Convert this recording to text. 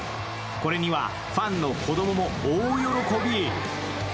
これにはファンの子供も大喜び。